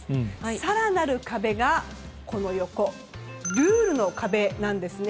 更なる壁がルールの壁なんですね。